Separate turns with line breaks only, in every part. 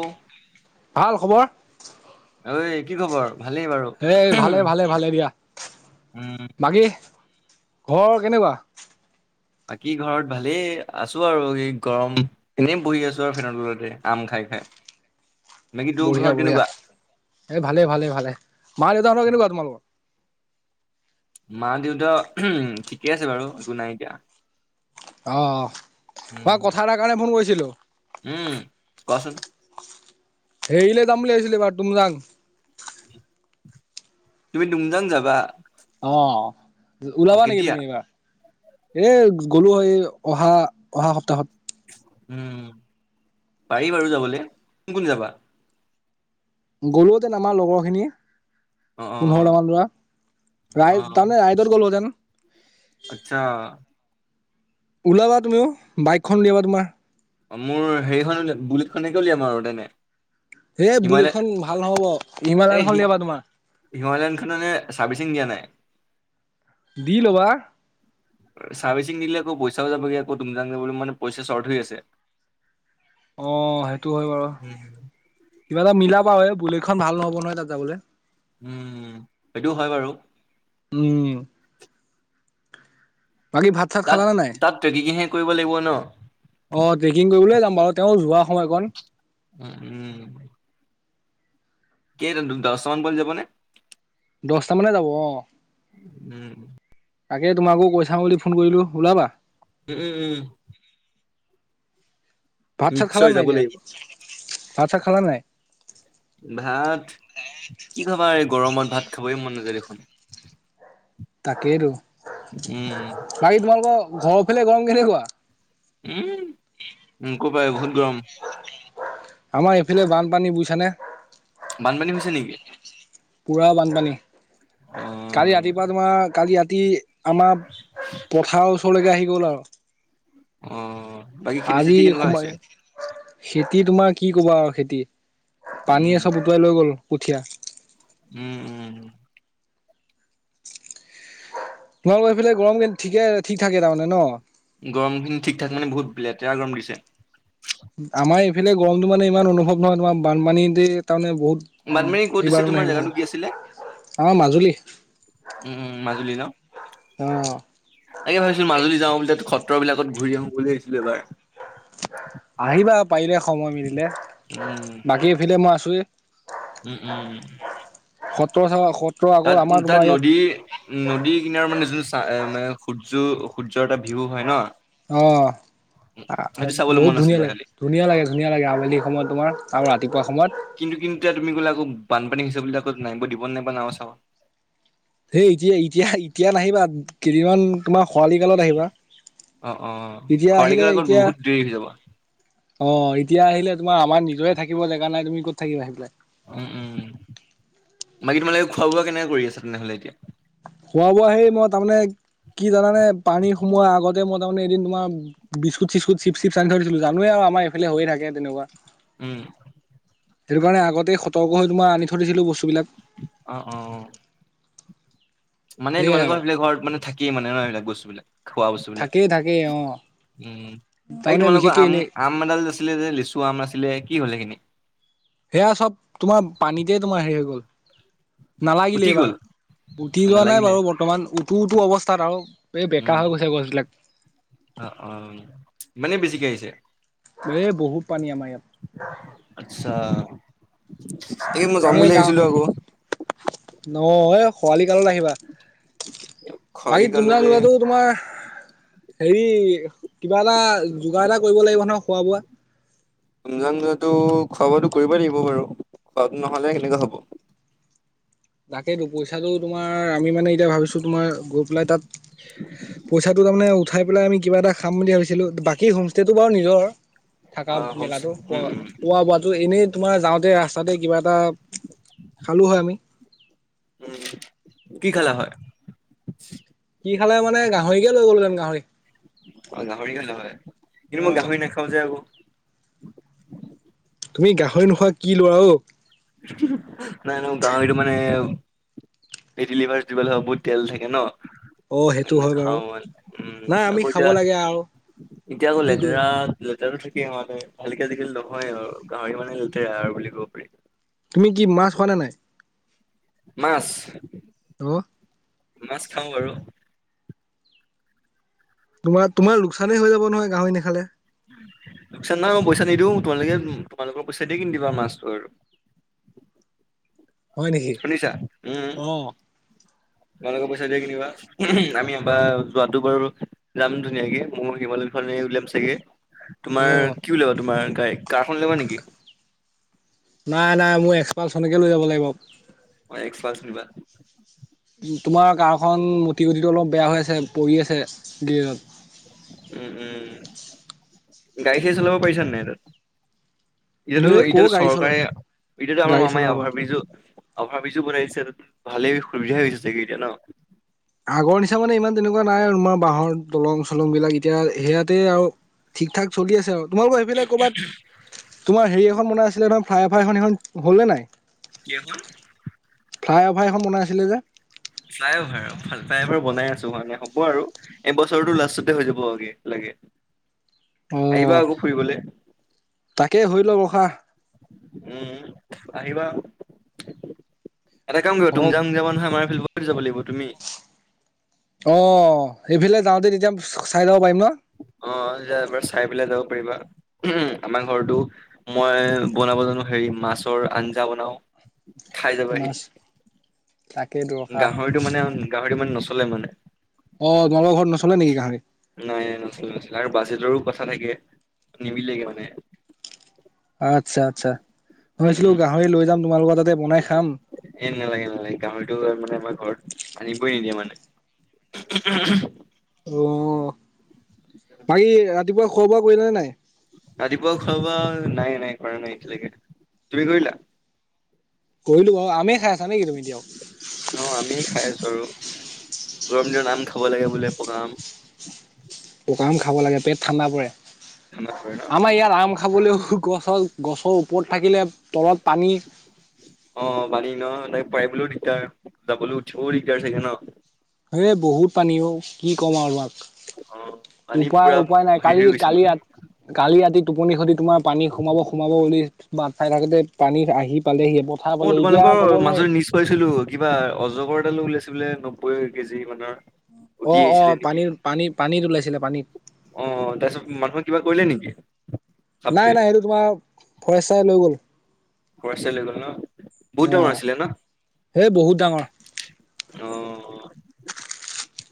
অ',
ভাল খবৰ?
ঐ কি খবৰ? ভালেই বাৰু
এই ভালে-ভালে-ভালে দিয়া
উম
বাকী ঘৰ কেনেকুৱা?
বাকী ঘৰত ভালেই আছো আৰু এই গৰম এনে বহি আছো আৰু ফেনৰ তলতে আম খাই। [inaudible] বাকী তোৰ ঘৰত
বঢ়িয়া-বঢ়িয়া
কেনেকুৱা
এই ভালে-ভালে-ভালে মা দেউতা হতৰ কেনেকুৱা তোমালোকৰ
মা-দেউতা ঠিকে আছে বাৰু একো নাই এতিয়া।
অ', মই
উম
কথা এটা কাৰণে ফোন কৰিছিলো।
উম কোৱাচোন
হেৰিলে যাম বুলি ভাবিছিলোঁ এইবাৰ তুমজাং
তুমি তুমজাং যাবা?
অ
অ
ওলাবা নেকি
কেতিয়া
তুমি এইবাৰ এহ গ'লো হয় অহা-অহা সপ্তাহত
উম পাৰি বাৰু যাবলৈ কোন কোন যাবা?
গৰুৱতে আমাৰ লগৰ খিনি
অ অ
পোন্ধৰটা মান ল'ৰা
অ
ৰাই তাৰমানে ৰাইদৰ গ'লোহেতেন।
আচ্ছা।
ওলাবা তুমিও বাইকখন উলিয়াবা তোমাৰ।
অ', মোৰ হেৰিখনল বুলিত খনেকে উলিয়াম আৰু তেনে
এ!
হিমালয়
বুলেটখন ভাল নহ'ব, ইিমালয়ানখন উলিয়াবা তোমাৰ।
হিমালয়নখননে চাৰ্ভিচিং দিয়া নাই।
দি ল'বা।
চাৰ্ভিচিং দিলে আকৌ পইচাও যাবগৈ, আকৌ তুমজাং যাবলৈ মানে পইচা চ্বৰ্ট হৈ আছে।
অ, সেইটো হয় বাৰু
উম।
কিবা এটা মিলাবা। বুল খন ভাল নহ'ব নহয় তাত যাবলৈ।
উম, সেইটো হয় বাৰু।
উম, । বাকী ভাত চাত
তাত
খালা নে নাই অ
তাত ট্ৰেকিংহে কৰিব লাগিব ন?
ট্ৰেকিং কৰিবলৈ যাম বাৰু। তেওঁ যোৱা সময়কণ।
উম, উম। কেই তুমতাং দহটামান ব যাব নে?
দচটা মানে যাব, অ,
উম,
তাকে তোমাকো কৈ চাম বুলি ফোন কৰিলো ওলাবা।
উম, উম, উম।
ভাত চাত খালা
নিশ্চয়
নাই,
যাব
এতিয়া
লাগিব।
ভাত চাত খালা নাই?
ভাত কি খাবা? এই গৰমত ভাত খাবই মন নাযায় দেখোন।
তাকেইটো।
উম,
ঘৰৰ ফালে গৰম কেনেকুৱা?
উম, উ, নকবাই বহুত গৰম।
আমাৰ এইফালে বানপানী বুজিছানে?
বানপানী হৈছে নেকি?
পুৰা বানপানী কালি
অ',
ৰাতিপুৱা, তোমাৰ কালি ৰাতি আমাৰ পথাৰৰ ওচৰলৈকে আহি গ'ল আৰু
অ, বাকী খেতি
আজি
চেতি কেনেকুৱা
সোমাই
হৈছে?
খেতি তোমাৰ কি কবা আৰু খেতি পানী চব উটুৱাই লৈ গ'ল কঠীয়া।
উম, উম, উম।
তোমালোকৰ সিফালে গৰম ঠিকে ঠিক থাকে তাৰমানে ন।
গৰমখিনি ঠিক ঠাক মানে বহুত লেতেৰা গৰম দিছে।
আমাৰ এইফালে গৰমতটো মানে ইমান অনুভৱ নহয় তোমাৰ বানপানী দ তাৰমানে।
বানপানী ক'ত
বহুত
দিছে তোমাৰ
এইবাৰণে
জেগাটো কি আছিলে?
আমাৰ মাজুলী
উম, উম, মাজুলী ন,
অ'।
তাকে ভাবিছিলো মাজুলী যাওঁ বুলি খত। তৰলাকত ঘূৰি আহো বুলি আহিছিলো এবাৰ।
আহিবা পাৰিলে সময় মিলিলে
উম,
বাকী এফালে মই আছোৱেই।
উম, উম, ।
থকাত সত
তাত তাত নদী উ নদী কিনাৰ মানে যোন চ ম সূৰ্য সূৰ্য। এটা ভিউ হয় ন।
অ'।
সেইটো চাবলৈ
বহুত
মন
ধুনীয়া
আছিলে
লাগে
খালি
ধুনীয়া, লাগে ধুনীয়া লাগে আবেলি সময়ত তোমাৰ। আৰু ৰাতিপুৱা সময়ত
কিন্তু কিন্তু এতিয়া তুমি গ'লে আকৌ বানপানী হৈছে বুলি আকৌ নাই দিব নাইবা নাও চা।
হেই এতিয়াঁ, এতিয়াঁ, এতিয়াঁ নাহিবা কেইদিনমান তোমাৰ খৰালি কালত আহিবা।
অ', অ',
এতিয়া,
খৰালিকাল
আহিলে
আকৌ
এতিয়া,
বহুত দেৰি হৈ যাব।
আহ। এতিয়া আহিলে তোমাৰ আমাৰ নিজৰে থাকিব জেগা নাই, তুমি ক'ত থাকিব আহি পেলাই।
উম, উম, বাকী তোমালোকে খোৱা বোৱা কেনেকে কৰি আছা তেনেহ'লে এতিয়া?
খোৱা বোৱা সেই মই তাৰমানে কি জানে পানী সোমোৱাৰ আগতে মই তাৰমানে এদিন তোমাৰ বিস্কুট চি্ুট চিপ চিপ চানি থৰি দিছিলো জানোৱে আৰু আমাৰ এইফালে হৈয়ে থাকে তেনেকুৱা।
উম।
সেইটো কাৰণে আগতেই সতৰ্ক হৈতো মই আনি থৈ দিছিলো বস্তু বিলাক।
অ' অ' অ। মানে
সেয়াই আৰু
তোমালোকৰ সেফালে ঘৰত মানে থাকি মানে ন [unintelligible] বস্তু বিলাক।
থাকেই, থাকেই অ'।
উম, এই
তাৰমানে
তোমালোকৰ
বিশেষকে
আম
এনেই
আম এডাল আছিলে যে লিচু আম আছিলে কি হ'ল সেখিনি?
সেয়া চব তোমাৰ পানীতে তোমাৰ হেৰি হৈ গ'ল। নালাগিলে
উঠি গ'ল
এইবাৰ উঠি যোৱা নাই
নালাগিলে
বাৰু বৰ্তমান উটো-উটো অৱস্থাত আৰু। এই বেকা
উম
হৈ গৈছে গছবিলাক।
অ' অ' ইমানে বেছিকে আহিছে।
এ বহুত পানী আমাৰ ইয়াত।
আচছা [unintelligible] যাম বুলি ভাবিছিলো আকৌ।
নহ এ খৰালি কালত আহিবা।
খৰালি
বাকী তুমজাং
কাললে
জোৱাতো তোমাৰ হেৰি কিবা এটা যোগাৰ এটা কৰিব লাগিব নহয় খোৱা বোৱা ।
তুমজাং যোৱাতো খোৱা বোৱাতো কৰিবই লাগিব বাৰু খোৱাটো নহলে কেনেকে হব।
তাকেইেতো পইচাটো তোমাৰ আমি মানে এতিয়া ভাবিছো তোমাৰ গৈ পেলাই তাত পইচাটো তাৰমানে উঠাই পেলাই আমি কিবা এটা খাম বুলি ভাবিছিলো বাকী হোমষ্টেটো বাৰু নিজৰ। থাকা
অ হোমচ
মেলাতো
উম উম
খোৱা বোৱা তো এনেই তোমাৰ যাওঁতে ৰাস্তাতে কিবা এটা খালোঁ হয় আমি ।
উম, কি খালা হয়?
কি খালা হয় মানে গাহৰিকে লয় গলো হেতেন গাহৰি।
অ' গাহৰি খালা হয় কিন্তু মই
অ
গাহৰি নাখাও যে আকৌ।
তুমি গাহৰি নোখোৱা কি লোৱা ও?
নাই গাহৰিতো মানে এই ফেটি লিভাৰ [unintelligible] বহুত তেল থাকে ন।
অ সেইটো হয় বাৰু
নাখাও মানে
নাই
উম
আমি
আক
খাব
এতিয়া
লাগে আৰু
এতিয়া আকও
কি কৰিবা
লেতেৰা লেতেৰা থাকেই মানে ভালকে আজিকালি নহয় আৰু গাহৰি মানে লেতেৰা আৰু বুলি ক'ব পাৰি।
তুমি কি মাছ খোৱা নে নাই?
মাছ
আৰু
মাছ খাওঁ বাৰু।
তোমাৰ তোমাৰ লোকচানেই হৈ যাব নহয় গাহৰি নাখালে।
লোকচান নহয় মই পইচা নিদিওঁ তোমালোকে তোমালোকৰ পইচা দি কিনি দিবা মাছটো আৰু।
[inaudible] হয় নেকি
সুনিছা উম।
অ
তোমালোকৰ পইচা দিয়ে কিনিবা আমি এবাৰ যোৱাাতটো বাৰু যাম ধুনীয়াকে মোৰ হিমালয়খন উলিয়াম চাগে
অঁ
তোমাৰ কি উলিয়াবা তোমাৰ গাড়ি কাৰখন উলাবা নেকি?
নাই নাই মোৰ এক্সপালচনকে [inaudible]
অ' এক্সপালচ নিবা।
তোমাৰ কাৰখন মুটি গটিটো অলপ বেয়া হৈ আছে পৰি আছে গেৰেজত।
উম, উম গাড়ী খন চলাব পাৰিছা নাই তাত? ইহতেতো
এই ক
এতিয়া
গাড়ী চলা
চৰকাৰে এটিয়াতো আমাৰ
গাড়ী
মামাই
চলাব পাৰ
অভাৰ ব্ৰিজ অভাৰ ব্ৰিজও বনাই দিছে। ভালেই সুবিধা হৈছে চাগে এতিয়া ন।
আগৰ নিচা মানে ইমান তেনেকুৱা নাই আৰু তোমাৰ বাহৰ দলং চলং বিলাক এতিয়া সেয়াতে আৰু ঠিক ঠাক চলি আছে আৰু। তোমালোক সেইফালে ক'বাত তোমাৰ হেৰি এখন বনাই আছিলে ফ্ৰাই ফাইখন হ'ল নে নাই
কেহল
ফ্লাইঅভাৰ এখন বনাইছিলে যে
ফলাই অভাৰাইভাৰ বনাই আছো হয়ে হ আৰু এইবছৰটোো লাষ্টতে হৈ যাবগে লাগে
অ
আহিবা আকৌ ফুৰিবলে
তাকেই ধ ল কখা
উম আহিবা এটা কাম কৰিব তুমামা যাব নয় আমাৰ ফ্বত যাব লাগিব তুমি
অ এইফালে যাওঁতে তেতিয়া চাই লওঁ
অ এবাৰ চাই পেলাই যাব পাৰিবা আমাৰ ঘৰতো মই বনাব জানো হেৰি মাছৰ আঞ্জা বনাও খাই য পাৰি
মাছ তাকেইতো ৰখা
গাহৰিটো মানে গাহৰিটো মানে নচলে মানে
অঁ তোমালোকৰ ঘৰত নচলে নেকি গাহৰি
নাই নাই নচছিল আৰু বছি জৰু পচা থাকে নিমিলেগে মানে
আচ্ছা আচ্ছা ভইিছিলো গাহৰি লৈ যাম তোমালোকৰ তাতে বনাই খাম
এন নালাগেনালাগ কাম মানে আমাৰ ঘৰত আনিবই নিদিয়ে মানে
অ বাকী ৰাতিপুৱা খোৱা বোৱা কৰিলে নে নাই
ৰাতিপুৱা খোৱাাবা নাই নাই কৰা নাই এতিয়ালৈকে তুমি কৰিলা
কলো ব আমে খাইছা নেকি তুমি এতিয়াও
অ আমি খাই আছো আৰু গৰমজ নাম খাব লাগে বোলে পকাম
পকা আম খাব লাগে পেট ঠাণ্ডা পৰে
ঠাণ্ডা পৰে ন
আমাৰ ইয়াত আম খাবলৈও গছত গছৰ ওপৰত থাকিলে তলত পানী
ত পাৰলৈ দিগদাৰ যাবলৈ উও দিগদাৰ চেইাগে ন
এই বহুত পানীও কি ক'ম আৰু তোমাক
অ পানী
উপায়
পুৰা
উপায় নাই
হেৰি
কালি
হৈ গৈছে
কালি
মানে
ৰাতি কালি ৰাতি টোপনি সধ তোমাৰ পানী সোমাব সোমাব বুলি বাট চাই থাকোতে পানী আহি পালেহি পথাৰ
অ
পালে এতিয়া ক'ব
তোমালোকৰ
নোৱাৰি
মাজুল নিজ পাইছিলো কিবা অজগৰ এালো ওলিয়াইছে বলে নব্বৈ কেজি মানৰ
অ
উটি
অ
আহিছিলে নেকি
পানীৰ পানী পানীত ওলাইছিলে পানীত
অ তাৰ পিছত মানুহ কিবা কৰিলে নেকি
নাই
সাপটোৱে
নাই সেইটো তোমাৰ ফৰেচাই লৈ গ'ল
কচাল গ ন বহুত
অ
দঙৰ আছিলে ন
সেই বহুত ডাঙৰ
অ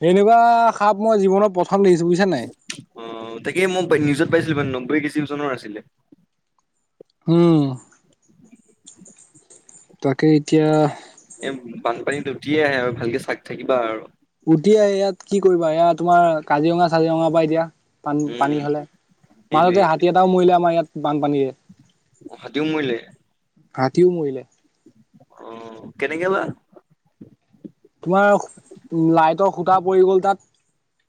সেনেকুৱা সাপ মই জীৱনত প
আহ তাকে মই নিউজত পাইছিলো মানে নব্বৈ কেছি চনৰ আছিলে
হ তাকে এতিয়া
এ বানপানীত উঠিয়ে আহে আৰু ভালকে চাক থাকিবা আৰু
উটি আহ ইয়াত কি কৰিবা এয়া তোমাৰ কাজিৰঙা কাজিৰঙা পৰা এতিয়া পানী পানী
উম
হলে
সেইটোৱে
মাজতে হাতী
সেইটোৱে
এটাও মৰিলে আমাৰ ইয়াত বানপানীৰে
হাতীও মৰিলে
হাতীও মৰিলে
উম কেনেকে বা
তোমাৰ লাইটৰ ঘুটা পৰি গ'ল তাত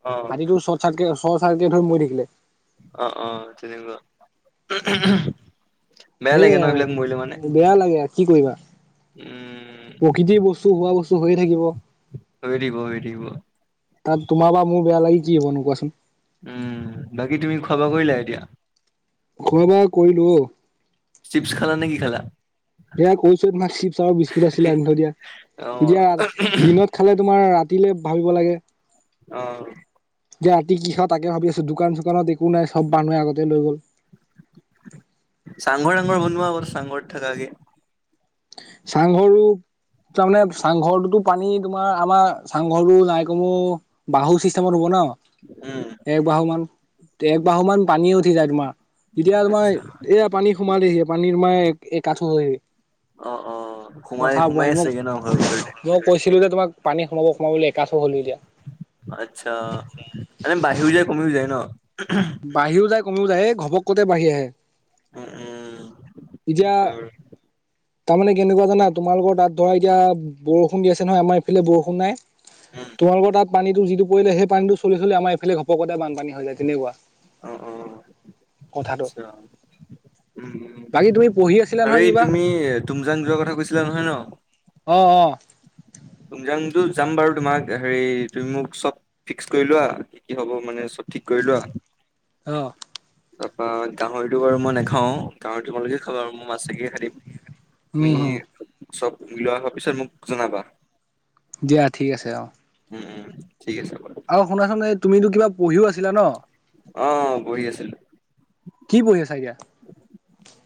অ
হাতীটো চৰ্ট চাৰক চৰ্ট চাৰকেট হৈ মৰি থাকিলে
অ অ তেনেকুৱা [inaudible]
সে
লাগে ন
আৰু
এইবিলাক মৰিলে মানে
বেয়া লাগে আছে কি কৰিবা
উম
প্ৰকৃতিৰ বস্তু হোৱা বস্তু হৈয়ে থাকিব ।
হৈ থাকিব হৈ থাকিব ।
তাত তোমাৰ বা মোৰ বেয়া লাগি কি হ'বনো কোৱাচোন?
উম, বাকী তুমি খোৱা বোৱা কৰিলা এতিয়া?
খোৱা বোৱা কৰিলোঁ অ',
চিপছ খালা নে কি খালা?
সেয়া কৈছোঁ তোমাক চিপছ আৰু বিস্কুট আছিলে আনি থৈ দিয়া
অ
। এতিয়া দিনত খালে তোমাৰ ৰাতিলে ভাবিব লাগে ।
অ',
যে ৰাতি কি খাওঁ তাকে ভাবি আছোঁ দোকান চোকানত একো নাই সব মানুহে আগতে লৈ গ'ল ।
চাংঘৰ চাংঘৰ বনোৱা আকৌ চাংঘৰত থাকাগে ।
চাংঘৰো তাৰমানে চাংঘৰটোতো পানী তোমাৰ আমাৰ চাংঘৰটো নাই কমেও বাঁহৰ চিষ্টেমত হব ন
উম
। এক বাহু মান এক বাহু মান পানী উঠি যায় তোমাৰ । তেতিয়া
আচ্ছা
তোমাৰ এয়া পানী সোমালেহি পানীৰ তোমাৰ এক আঠো হয় হি ।
অ অ সোমাই
কথা
সোমাই
বহি মোক
আছেগে ন ঘৰৰ ভিতৰতে
মই কৈছিল হিলিলে তোমাক পানী সোমাব সোমাব বুলি এক আঠো হ'ল হি এতিয়া ।
আচ্ছা মানে বাঢ়িও যায়, কমিও যায় ন ।
বাঢ়িও যায় কমিও যায় এই ঘপক কতে বাঢ়ি আহে ।
উম উম
এতিয়া
হয়
তাৰমানে কেনেকুৱা জানা তোমালোকৰ তাত ধৰা এতিয়া বৰষুণ দি আছে নহয় আমাৰ ইফালে বৰষুণ নাই
উম
তোমালোকৰ তাত পানীটো যিটো পৰিলে সেই পানীটো চলি চলি আমাৰ এইফালে ঘপকতে বানপানী হৈ যায় তেনেকুৱা ।
অ ', অ', আচ্ছা উম, উম,
বাকী তুমি পঢ়ি আছিলা
আৰু
নহয়
এই
কিবা
তুমি তুমজাং যোৱা কথা কৈছিলা নহয় ন ।
অ', অ',
যাম বাৰু তোমাক হেৰি তুমি মোক চব ফিক্স কৰি লোৱা কি কি হ'ব মানে চব ঠিক কৰি লোৱা
অ',
তাৰপা গাহৰিটো বাৰু মই নাখাওঁ, গাহৰি তোমালোকে খাবা আৰু মই মাছগে খায় তুমি
উম হম
চব উলোৱা হোৱাৰ পিছত মোক জনাবা ।
দিয়া ঠিক আছে অ',
উম, উম, ঠিক আছে ।
আৰু শুনাচোন এই তুমিতো কিবা পঢ়িও আছিলা ন ।
অ', পঢ়ি আছিলোঁ ।
কি পঢ়ি আছা এতিয়া?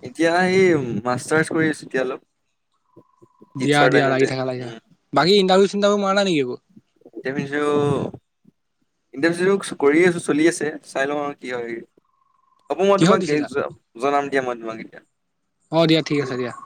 এতিয়া সেই মাষ্টাৰ্চ কৰি আছোঁ এতিয়া অলপ ।
দিয়া দিয়া লাগি থাকা লাগি থাকা
উম
বাকী ইণ্টাৰভিউ চিন্তাৰভিউ মাৰা নাই নেকি একো?
ইণ্টাৰভিউ ইণ্টাৰভিউ চিন্টাৰভিউ কৰি আছোঁ চলি আছে চাই লওঁ আৰু কি হয় । হ'ব মই
কিহত
তোমাক
দিছিলা
জনাম দিয়া মই তোমাক এতিয়া ।
অ', দিয়া ঠিক আছে দিয়া ।